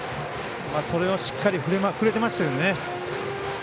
それをしっかり振れてましたよね。